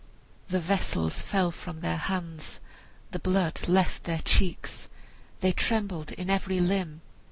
The vessels fell from their hands, the blood left their cheeks, they trembled in every limb.